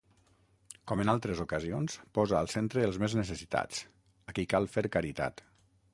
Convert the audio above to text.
Com en altres ocasions, posa al centre els més necessitats, a qui cal fer caritat.